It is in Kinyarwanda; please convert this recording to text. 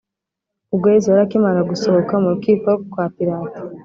ubwo yesu yari akimara gusohoka mu rukiko kwa pilato,